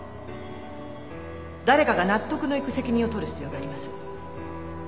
誰かが納得のいく責任を取る必要があります。